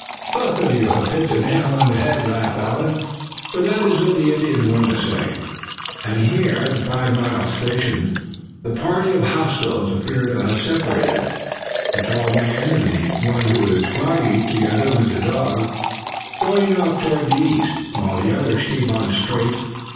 "Both of you have hit the nail on the head," laughed Allan; "for that is what the Indian wants to say. And here at the five mile station the party of hostiles appear to have separated, the tall man and the one who is groggy, together with the dog, going off toward the east; while the others keep on straight.